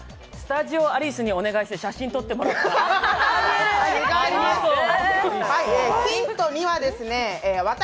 スタジオアリスにお願いして写真撮ってもらった。